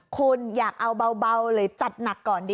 คุณอยากเอาเบาหรือจัดหนักก่อนดี